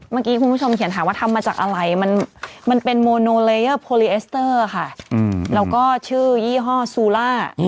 เมื่อกี้คุณผู้ชมเขียนถามว่าทำมาจากอะไรมันเป็นโมโนเลเยอร์โพลีเอสเตอร์ค่ะแล้วก็ชื่อยี่ห้อซูล่า